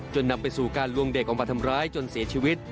นำไปสู่การลวงเด็กออกมาทำร้ายจนเสียชีวิต